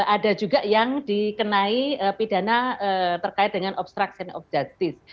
ada juga yang dikenai pidana terkait dengan obstruction of justice